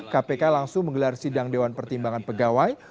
kpk langsung menggelar sidang dewan pertimbangan pegawai